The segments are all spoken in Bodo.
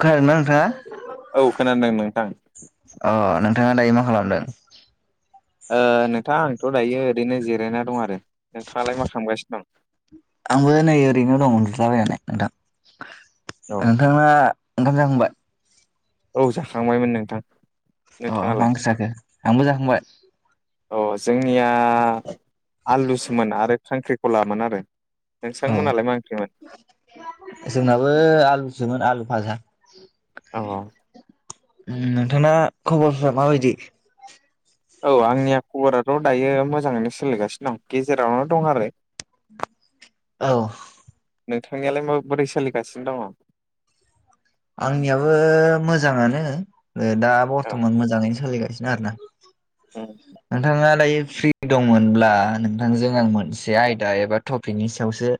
खोनादोंना नोंथाङा? औ खोनादों नोंथां। अ नोंथाङा दायो मा खालामदों? नोंथाङा आंथ' दायो ओरैनो जिरायना दं आरो। नोंथाङालाय मा खालामगासिनो दं? आंबो नै ओरैनो दं उनदुलाबायनानै नोंथां। दं औ नोंथां नोंथाङा ओंखाम जाखांबाय? औ जाखांबायमोन नोंथां। अ मा नोंथाङालाय ओंख्रग जाखो आंबो जाखांबाय अ जोंनिया आलुसोमोन आरो खांख्रिखलामोन आरो। औ नोंथांमोनहालाय मा ओंख्रिमोन? जोंनाबो आलुसोमोन आलु फाजा। औ ओम नोंथाङा खबरफोरा माबादि? औ आंनिया खबराथ दायो मोजाङैनो सोलिगासिनो दं गेजेरावनो दं आरो। औ। नोंथांनियालाय मा बोरै सोलिगासिनो दङ? आंनियाबो मोजाङानो दा बरथमान मोजाङैनो सोलिगासिनो आरोना। [unintelligible] नोंथाङा दायो फ्रि दंमोनब्ला नोंथांजों आं मोनसे आयदा एबा टपिकनि सायावसो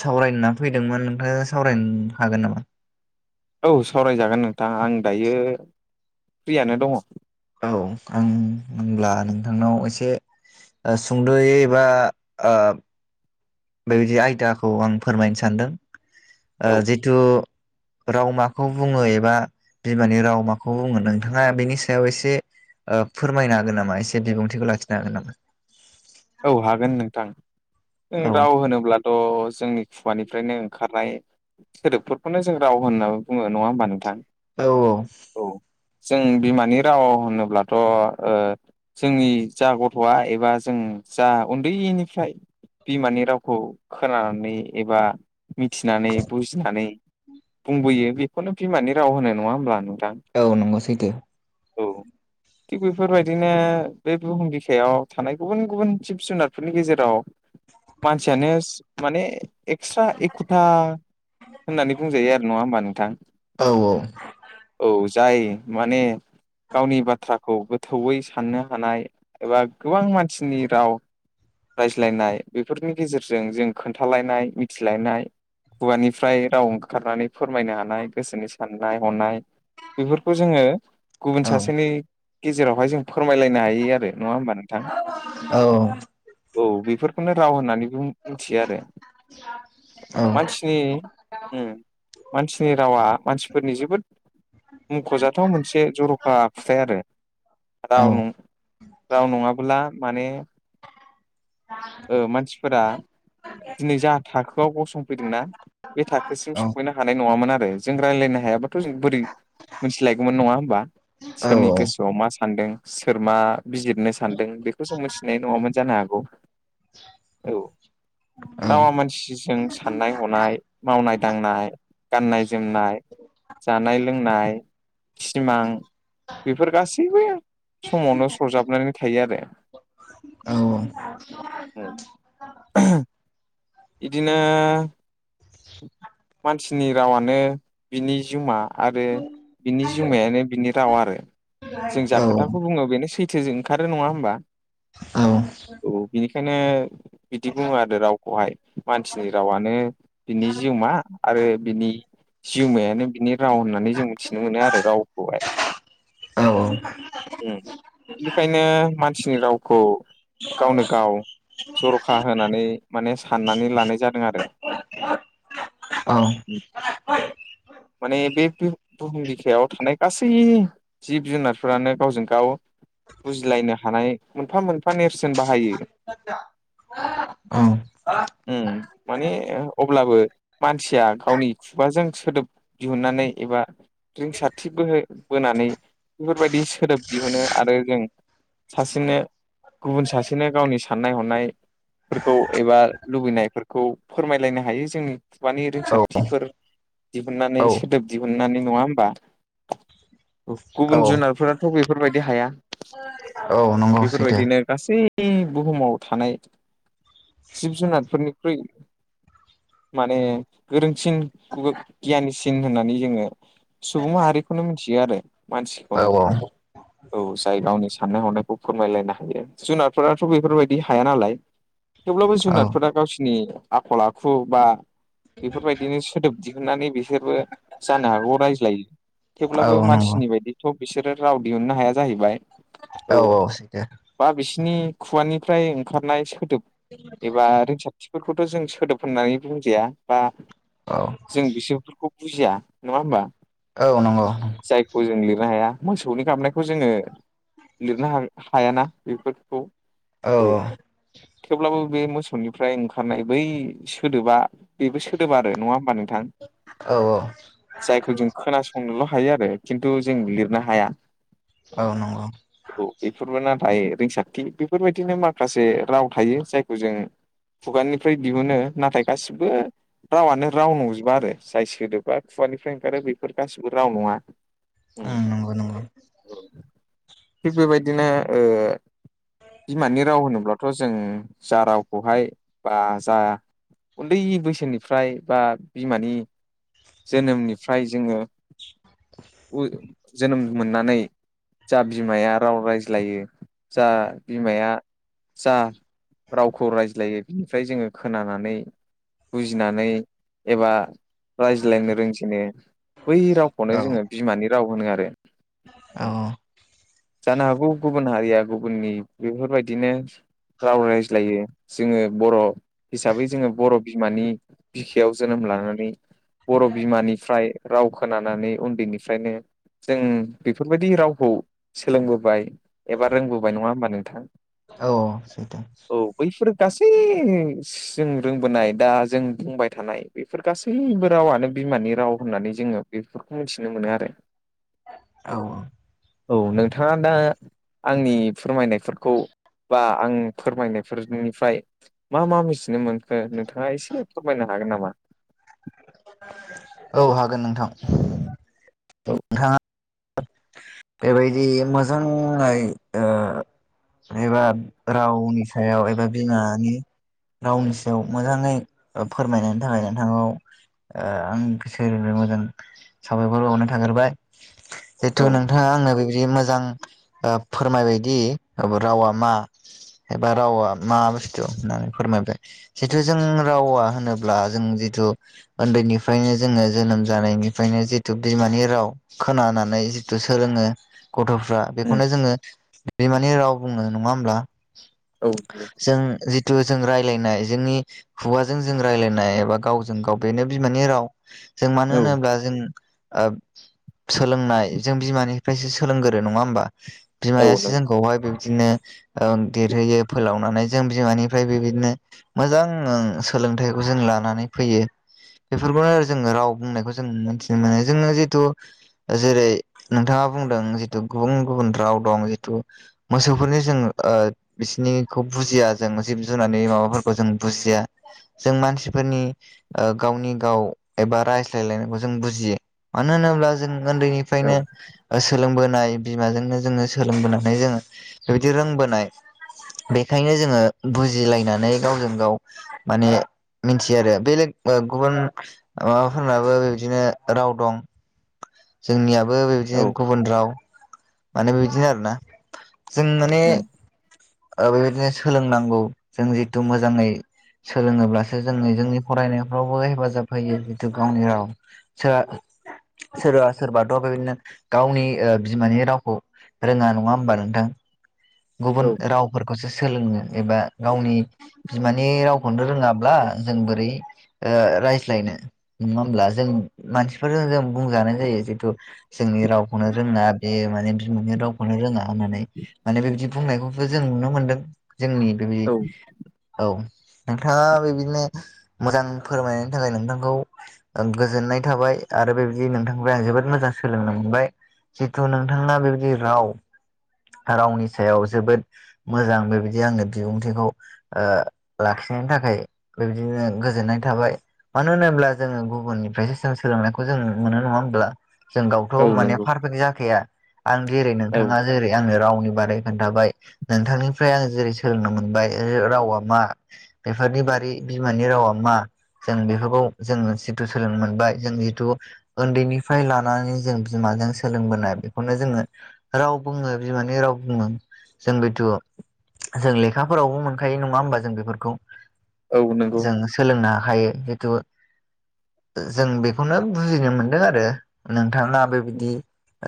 सावरायनो होनना फैदोंमोन नोंथाङा सावरायनो हागोन नामा? औ सावरायजागोन नोंथां आं दायो फ्रियानो दङो। औ आं होनब्ला नोंथांनाव एसेओ सुंद' एबा ओ बेबायदि आयदाखौ आं फोरमायनो सानदों जितुओ राव माखौ बुंङो एबा बिमानि राव माखौ बुङो नोंथांङा बिनि सायाव एसे फोरमायनो हागोन नामा एसे बिबुंथिखौ लाखिनो हागोन नामा? औ हागोन नोंथां औ राव होनोब्लाथ' थ' जोंनि खुवानिफ्रायनो ओंखारनाय सोदोबफोरखौनो जों राव होननानै बुङ नङा होमबा नोंथां? औ औ औ जों बिमानि रावखौ होनोब्लाथ' जोंनि जा गथ'आ एबा जों जा उन्दैनिफ्राय बिमानि रावखौ खोनानानै एबा मिथिनानै बुजिनानै बुंबोयो बेखौनो बिमानि राव होनो नंङा होमब्ला नोंथां। औ नंगौ सैथो। औ थिग बेफोरबादिनो बे बुहुम बिखायाव थानाय गुबुन गुबुन। जिब जुनारफोरनि गेजेरावो मानसियानो ओ माने एक्सट्रा एखुथा होननानै बुंजायो आरो नंङा होमबा नोंथां औ औ। जाय माने गावनि बाथ्राखौ गोथौयै साननो हानाय एबा गोबां मानसिनि राव रायज्लायनाय बेफोरनि गेजेरजों जों खोन्थालायनाय मिथिलायनाय खुगानिफ्राय राव ओंखारनानै फोरमायनो हानाय गोसोनि साननाय हनायो बेफोरखौ जोंङो गुबुन औ सासेनि गेजेरावहाय जों फोरमायलायनो हायो आरो नंङा होमबा नोंथां। औ। औ बेफोरखौनो राव होननानैबो मिथियो आरो मानसि मानसिनि रावा मानसिफोरनि जोबोद मख'जाथाव मोनसे जर'खा आखुथाय आरो। औ राव राव नङाबोला माने ओ मानसिफोरा दिनै जा थाखोआव गसंफैदोंना बे थाखोसिम औ संफैनो हानाय नंङामोन आरो। जों रायज्लायनो हायाबाथ' जों बोरै मोनथिलायगौमोन नंङा होमबा? सोरनि गोसोआव मा सानदों सोर मा बिजिरनो सान्दों बेखौ जों मिथिनाय नंङामोन। जानो हागौ औ। रावा औ मानसिजों साननाय-हनाय, मावनाय-दांनाय। गाननाय जोमनाय जानाय लोंनाय सिमां बेफोर गासैबो समावनो सरजाबनानै थायो आरो। औ। बिदिनो मानसिनि रावानो बिनि जिउमा आरो बिनि जिउमायानो बिनि राव आरो जों जा खोथाखौ बुंङो बेनो सैथोजों ओंखारो नङा होनोमबा औ औ बिनिखायनो बिदि बुंङो आरो रावखौहाय मानसिनि रावानो बिनि जिउमा आरो बिनि जिउमायानो बिनि राव होननानै जों मिथिनो मोनो आरो रावखौहाय उम औ बेनिखायनो मानसिनि रावखौ गावनो गाव जर'खा होनानै माने साननानै लानाय जादों आरो [unintelligible] माने बे बुहुम बिखायाव थानाय गासै जिब जुनारफोरानो गावजों गाव बुजिलायनो हानाय मोनफा मोनफा नेरसोन बाहायो [inaudible] ओं उम माने अब्लाबो मानसिया गावनि खुगाजों सोदोब दिहुनन्नानै एबा रिंसारथि बोह बोनानै बेफोरबायदि सोदोब दिहुनो आरो जों सासेनो गुबुन सासेनो गावनि साननाय हनाय फोरखौ एबा लुबैनायफोरखौ फोरमायलायनो हायो जोंनि खुगानि औ औ रोंसारथिफोर दिहुननानै औ सोदोब दिहुननानै नङा होमबा औ गुबुन जुनारफोराथ' बेफोरबायदि हाया औ नंगौ सैथो बेफोरबायदिनो गासै बुहुमाव थानाय जिब जुनारफोरनिख्रुइ माने गोरोंसिनखौ गियानिसिन होननानै जोङो सुबुं माहारिखौनो मिथियो आरो औ मानसिखौनो [inaudible] औ जाय गावनि साननाय हनायखौ फोरमायलायनो हायो जुनारफोराथ' बेफोरबायदि हाया नालाय थेवब्लाबो औ जुनारफोरा गावसिनि आखल आखु खुबा बेफोरबायदिनो सोदोब दिहुननानै बिसोरबो जानो हागौ रायज्लायो थेवब्लाबो औ नंगौ मानसिनि बायदिथ' बिसोरो राव दिहुननो हाया जाहैबाय औ [inaudible] बा बिसिनि खुगानिफ्राय ओंखारनाय सोदोब एबा रोंसथिफोरखौथ' जों सोदोब होननानै बुंजाया बा औ जों बिसोरनिखौ बुजिया नङा होमबा औ नंगौ जायखौ जों लिरनो हाया मोसौनि गाबनायखौ जोङो लिरनो हा हायाना बेफोरखौ औ थेवब्लाबो बे मोसौनिफ्राय ओंखारनाय बै सोदोबा बेबो सोदोब आरो नङा होमबा नोंथां औ-औ जायखौ जों खोनासंनोल' हायो आरो खिन्थु जों लिरनो हाया औ नंगौ औ बेफोरबो नाथाय रिंसारथि बेफोरबायदिनो माखासे राव थायो जायखौ जों खुगानिफ्राय दिहुनो नाथाय गासिबो रावानो राव नंजोबा आरो जाय सोदोबा खुगानिफ्राय ओंखारो बेफोर गासिबो राव नङा ओं नंगौ नंगौ बेबायदिनो ओ बिमानि राव होनोब्लाथ' जों जा रावखौहाय बा जा उन्दै बैसोनिफ्राय बा बिमानि जोनोमनिफ्राय जोङो उ जोनोम मोननानै जा बिमाया राव रायज्लायो जा बिमाया जा रावखौ रायज्लायो बिनिफ्राय जोङो खोनानानै बुजिनानै एबा रायज्लायनो रोंजेनो बै रावखौनो औ जोङो बिमानि राव होनो आरो। औ जानो हागौ गुबुन हारिया गुबुननि बेफोरबायदिनो राव रायज्लायो जोङो बर' हिसाबै जोङो बर' बिमानि बिखायाव जोनोम लानानै बर' बिमानिफ्राय राव खोनानानै उन्दैनिफ्रायनो जों बेफोरबायदि रावखौ सोलोंबोबाय एबा रोंबोबाय नङा ओमबा नोंथां? औ सैथो औ बैफोर गासै जों रोंबोनाय दा जों बुंबाय थानाय बेफोर गासैबो रावानो बिमानि राव होननानै जोङो बेफोरखौ मिथिनो मोनो आरो। औ औ नोंथाङा दा आंनि फोरमायनायफोरखौ बा आं फोरमायनायफोरनिफ्राय मा मा मिथिनो मोनखो नोंथाङा एसे फोरमायनो हागोन नामा? औ हागोन नोंथां। औ नोंथाङा बेबायदि मोजाङै ओ एबा रावनि सायाव एबा बिमानि रावनि सायाव मोजाङै ओ फोरमायनायनि थाखाय नोंथांखौ ओ आं गोसोनिफ्राय मोजां साबायखर बावग्रोनाय थाग्रोबाय औ जिहेथु नों थाङा आंनो बेबायदि मोजां ओ फोरमायबायदि रावा मा एबा रावा मा बुस्थु होननानै फोरमायबाय जितु जों रावा होनोब्ला जों जितु ओन्दैनिफ्रायनो जोङो जोनोम जानायनिफ्रायनो जितु बिमानि राव खोनानानै थ' सोलोङो गथ'फ्रा उम बेखौनो जोङो बिमानि राव बुंङो नङा ओमब्ला औ जों जि थु जों रायलायनाय जोंनि खुगाजों जों रायज्लायनाय एबा गावजों गाव बेनो बिमानि राव जों मानो होनोब्ला जों ओब सोलोंनाय जों बिमानिफ्रायसो सोलोंगोरो नङा ओमबा औ बिमायासो नों जोंखौहाय बे दिनो ओं देरहोयो फोलावनानै जों बिमानिफ्राय बेबायदिनो मोजां ओं सोलोंथाइखौ जों लानानै फैयो। बेफोरखौनो जोङो राव बुंनायखौ जों मोनथिनो मोनो जोङो जितु जेरै नोंथाङा बुंदों जितु गुबुन गुबुन राव दं जितु मोसौफोरनि जों ओ बिसिनिखौ बुजिया जों जिब जुनारनि माबाफोरखौ जों बुजिया जों मानसिफोरनि ओ गावनि गाव एबा रायज्लायलायनायखौ जों बुजियो मानो होनोब्ला जों औ ओन्दैनिफ्रायनो ओ सोलोंबोनाय बिमाजोंनो जोङो सोलोंबोनायखाय जोङो बेबायदि रोंबोनाय बेखायनो जोङो बुजिलायनानै गावजों गाव माने मिथियो आरो बेलेग ओ गुबुन माबाफोरनाबो बिबदिनो राव दं। जोंनियाबो औ बेबायदिनो गुबुन राव माने बेदिनो आरोना जों माने उम ओ बेबायदिनो सोलोंनांगौ जों जितु मोजाङै सोलोङोब्लासो जोङो जोंनि फरायनायफ्रावबो हेफाजाब होयो जितु गावनि राव सोर सोरबा सोरबाथ' बेबायदिनो गावनि बिमानि रावखौ रोङा नङा होमबा नोंथां गुबुन औ रावफोरखौसो सोलोङानो एबा गावनि बिमानि रावखौनो रोङाब्ला जों बोरै रायज्लायनो नङा होमब्ला जों मानसिफोरजों जों बुंजानाय जायो जितु जोंनि रावखौनो रोङा बे माने बिमानि रावखौनो रोङा होननानै माने बे बिदि बुंनायखौ जों नुनो मोनदों जोंनि बेबायदि औ औ नोंथाङा बेबायदिनो मोजां फोरमायनायनि थाखाय नोंथांखौ गोजोननाय थाबाय आरो बेबायदि नोंथांनिफ्राय आं जोबोद मोजां सोलोंनो मोनबाय जिथु नोंथांना बेबायदि राव रावनि सायाव जोबोद मोजां बेबायदि आंनो बिबुंथिखौ लाखिनायनि थाखाय बेबायदिनो गोजोननाय थाबाय मानो होनोब्ला जोङो गुबुननिफ्रायसो जों सोलोंनायखौ जों मोनो नङा होनोमब्ला जों गावथ' औ माने नंगौ पारफेक्ट जाखाया आं जेरै औ नोंथाङा जेरै आङो रावनि बारै खोन्थाबाय नोंथांनिफ्राय आं जेरै सोलोंनो मोनबाय रावा मा बेफोरनि बारि बिमानि रावा मा जों बेफोरखौ जोङो जिथु सोलोंनो मोनबाय जों जिथु उन्दैनिफ्राय लानानै जों बिमाजों सोलोंबोनाय बेखौनो जोङो राव बुङो बिमानि राव बुङो जों बेथ' जों लेखाफोरावबो मोनखायो नङा होमबा जों बेफोरखौ औ नंगौ जों सोलोंनो हायो जितु जों बेखौनो बुजिनो मोनदों आरो नोंथाङा बेबायदि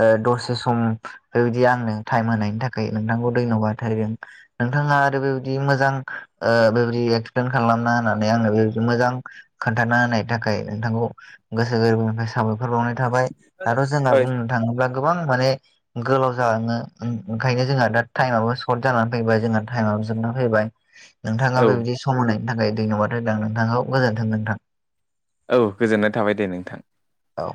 ओ दसे सम बेबायदि आंनो टाइम होनायनि थाखाय नोंथांखौ धन्यबाद होदों नोंथाङा आरो बेबायदि मोजां बेबायदि एक्सप्लेन खालामना होनानै आङो बेबायदि मोजां खोन्थाना होनायनि थाखाय नोंथांखौ गोसो गोरबोनिफ्राय साबायखर बावनाय थाबाय आरो' जोंना ओइ बुंनो थाङोब्ला गोबां माने गोलाव जालाङो ओंखायनो जोंहा दा टाइमाबाबो सर्ट जानानै फैबाय जोंहा टाइमाबो जोबना फैबाय औ नोंथाङा बेबायदि सम होनायनि थाखाय धन्यबाद होदों आं नोंथाखौ गोजोन्थों नोंथां औ गोजोननाय थाबाय दे नोंथां औ